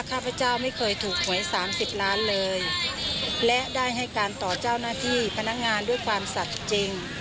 ข้าพเจ้าไม่เคยถูกหวยสามสิบล้านเลยและได้ให้การต่อเจ้าหน้าที่พนักงานด้วยความสัตว์จริง